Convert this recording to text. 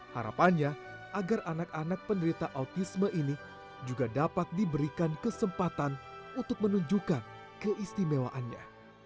harapannya agar anak anak penderita autisme ini juga dapat diberikan kesempatan untuk menunjukkan keistimewaannya